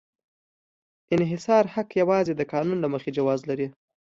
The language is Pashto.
انحصاري حق یوازې د قانون له مخې جواز لري.